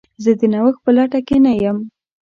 زه د نوښت په لټه کې نه یم.